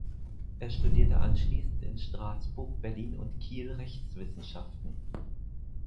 Er studierte anschließend in Straßburg, Berlin und Kiel Rechtswissenschaften.